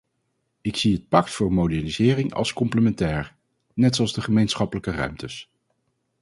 Ik zie het pact voor modernisering als complementair, net zoals de gemeenschappelijke ruimtes.